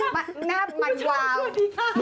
หน้ามันวาม